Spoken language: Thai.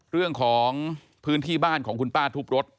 เรื่องของพื้นที่บ้านของคุณป้าทุบรถ